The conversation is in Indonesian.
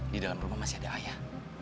di dalam rumah masih ada ayah